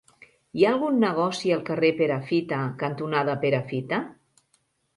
Hi ha algun negoci al carrer Perafita cantonada Perafita?